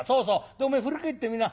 でおめえ振り返ってみな。